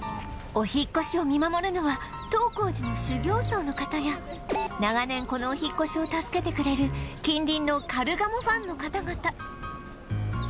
お引っ越しを見守るのは東光寺の修行僧の方や長年このお引っ越しを助けてくれる近隣のカルガモファンの方々